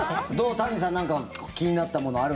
谷さん何か気になったものある？